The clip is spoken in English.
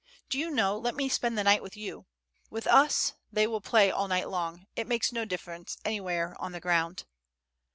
... Do you know, let me spend the night with you: with us, they will play all night long; it makes no difference, anywhere, on the ground."